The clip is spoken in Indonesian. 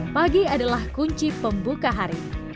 pagi adalah kunci pembuka hari